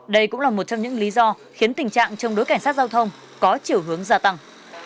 đây cũng là một trong những lý do khiến tình trạng chống đối cảnh sát giao thông có chiều hướng gia tăng